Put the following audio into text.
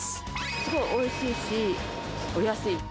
すごいおいしいし、お安い。